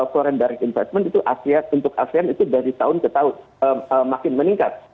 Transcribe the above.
foreign direct investment itu untuk asean itu dari tahun ke tahun makin meningkat